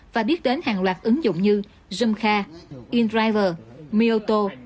và biết đến hàng loạt ứng dụng như zoom car in driver mioto